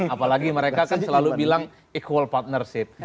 apalagi mereka kan selalu bilang equal partnership